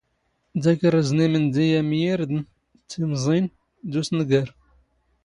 ⴷⴰ ⴽⵔⵔⵣⵏ ⵉⵎⵏⴷⵉ ⴰⵎ ⵢⵉⵔⴷⵏ, ⵜⵉⵎⵥⵉⵏ ⴷ ⵓⵙⵏⴳⴰⵔ.